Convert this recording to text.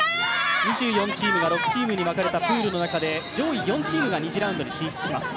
２４チームが６チームに分かれたプ−ルの中で上位４チームが進みます。